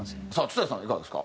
蔦谷さんいかがですか？